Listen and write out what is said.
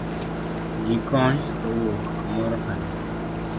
Gi kony kowuok kamoro kadhi